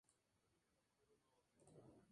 El arco de mayor anchura es el central.